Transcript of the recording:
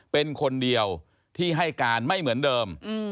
เป็นคนเดียวที่ให้การไม่เหมือนเดิม